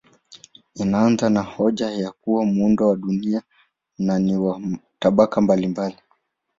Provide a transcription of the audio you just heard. Inaanza na hoja ya kuwa muundo wa dunia ni wa tabaka mbalimbali.